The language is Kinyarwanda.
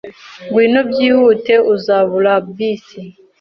Ngwino, byihute. Uzabura bisi.